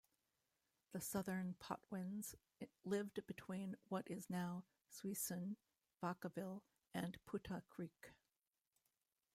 The "Southern Patwins" lived between what is now Suisun, Vacaville, and Putah Creek.